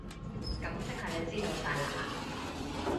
噉即係你知道晒喇？